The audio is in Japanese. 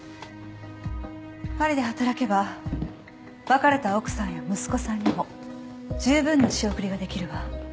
パリで働けば別れた奥さんや息子さんにも十分な仕送りができるわ。